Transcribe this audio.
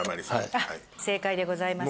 正解でございます。